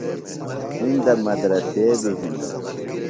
اندہ مدرسے بیۡ ہِنہ۔